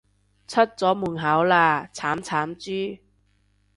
出咗門口喇，慘慘豬